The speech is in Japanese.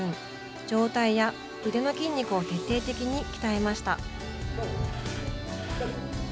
上体や腕の筋肉を徹底的に鍛えました。